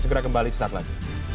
segera kembali saat lagi